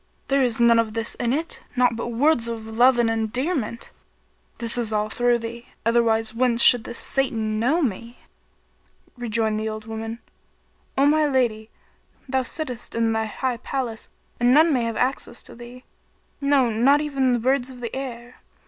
There is none of this in it, naught but words of love and endearment. This is all through thee: otherwise whence should this Satan[FN#33] know me?" Rejoined the old woman, "o my lady, thou sittest in thy high palace and none may have access to thee; no, not even the birds of the air.